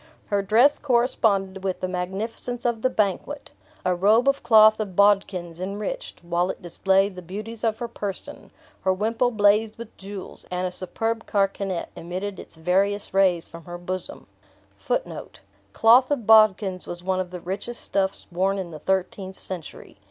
Her dress corresponded with the magnificence of the banquet, a robe of cloth of Baudkins enriched, while it displayed, the beauties of her person; her wimple blazed with jewels, and a superb carkanet emitted its various rays from her bosom. Cloth of Baudkins was one of the richest stuffs worn in the thirteenth century.